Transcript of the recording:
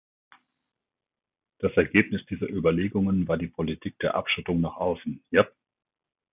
Das Ergebnis dieser Überlegungen war die Politik der Abschottung nach außen, jap.